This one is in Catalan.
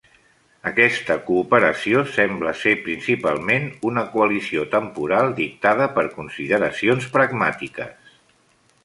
Aquesta cooperació sembla ser principalment una coalició temporal dictada per consideracions pragmàtiques.